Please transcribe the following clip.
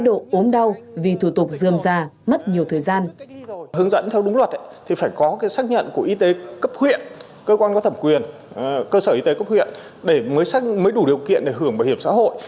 hướng dẫn theo đúng luật thì phải có cái xác nhận của y tế cấp huyện cơ quan có thẩm quyền cơ sở y tế cấp huyện để mới đủ điều kiện để hưởng bảo hiểm xã hội